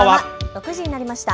６時になりました。